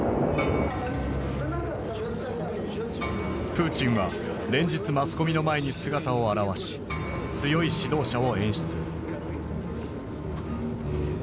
プーチンは連日マスコミの前に姿を現し強い指導者を演出。